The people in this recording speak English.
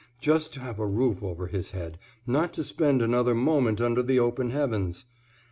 Just to have a roof over his head, not to spend another moment under the open heavens!